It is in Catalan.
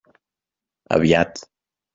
Aviat.